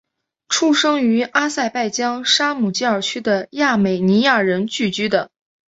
出生于阿塞拜疆沙姆基尔区的亚美尼亚人聚居的。